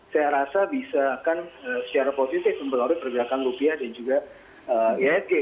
saya rasa bisa akan secara positif memperlukan bergerakan rupiah dan juga esg